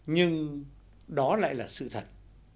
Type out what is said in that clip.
nhưng đó lại là sự thật